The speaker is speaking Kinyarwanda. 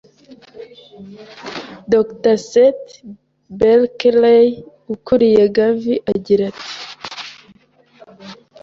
Dr Seth Berkley ukuriye Gavi agira ati